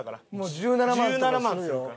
１７万するから。